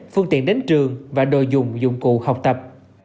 phương tiện đến trường và đồ dùng dụng cụ học tập